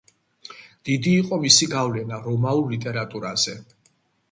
დიდი იყო მისი გავლენა რომაულ ლიტერატურაზე.